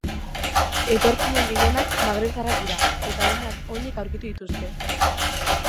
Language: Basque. Etorkinen gehienak magrebtarrak dira eta denak onik aurkitu dituzte.